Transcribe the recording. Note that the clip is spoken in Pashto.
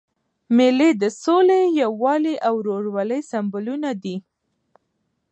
مېلې د سولي، یووالي او ورورولۍ سېمبولونه دي.